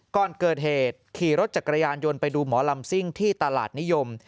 ก่อนเกิดเหตุขี่รถจักรยานยนต์ไปดูหมอลำซิ่งที่ตลาดนิยม